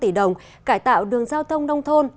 một ba trăm linh tỷ đồng cải tạo đường giao thông nông thôn